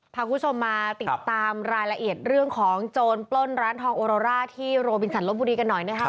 พาคุณผู้ชมมาติดตามรายละเอียดเรื่องของโจรปล้นร้านทองโอโรร่าที่โรบินสันลบบุรีกันหน่อยนะครับ